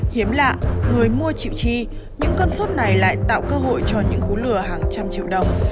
hiếm lạ người mua chịu chi những cân suất này lại tạo cơ hội cho những cú lửa hàng trăm triệu đồng